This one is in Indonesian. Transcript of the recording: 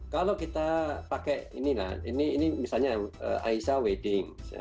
kalau kita pakai ini lah ini misalnya aisha weddings